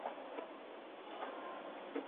身延町为位于山梨县西南部南巨摩郡的町。